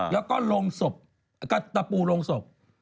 แล้วก็ตะปูลงศพ